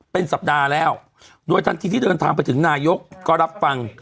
เป็นสัปดาห์แล้วโดยทันทีที่เดินทางไปถึงนายกก็รับฟัง